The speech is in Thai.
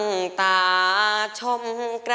สวัสดีครับ